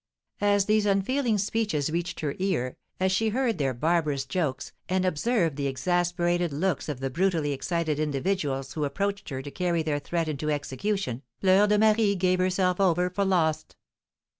As these unfeeling speeches reached her ear, as she heard their barbarous jokes, and observed the exasperated looks of the brutally excited individuals who approached her to carry their threat into execution, Fleur de Marie gave herself over for lost.